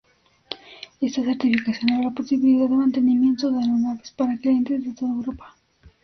Esta certificación abre la posibilidad de mantenimiento de aeronaves para clientes de toda Europa.